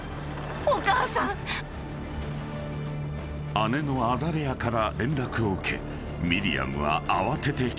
［姉のアザレアから連絡を受けミリアムは慌てて帰宅］